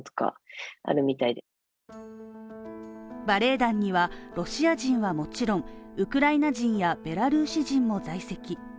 バレエ団にはロシア人はもちろん、ウクライナ人やベラルーシ人も在籍。